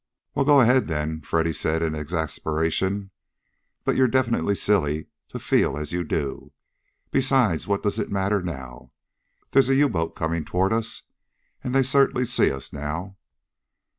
"Well, go ahead then!" Freddy said in exasperation. "But you're definitely silly to feel as you do. Besides, what does it matter now? There's a U boat coming toward us, and they certainly see us, now."